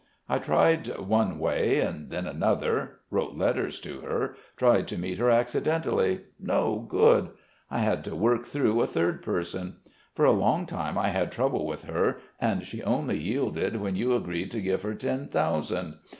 I tried one way, then another ... wrote letters to her, tried to meet her accidentally no good. I had to work through a third person. For a long time I had trouble with her, and she only yielded when you agreed to give her ten thousand.